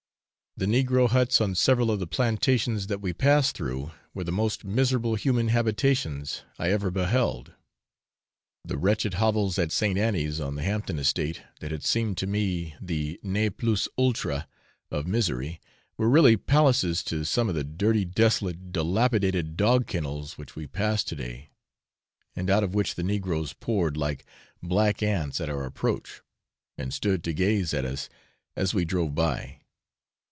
The negro huts on several of the plantations that we passed through were the most miserable human habitations I ever beheld. The wretched hovels at St. Annie's, on the Hampton estate, that had seemed to me the ne plus ultra of misery, were really palaces to some of the dirty, desolate, dilapidated dog kennels which we passed to day, and out of which the negroes poured like black ants at our approach, and stood to gaze at us as we drove by.